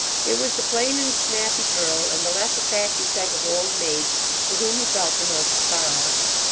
It was the plain and snappy girl, and the less attractive type of old maid, for whom he felt the most sorrow.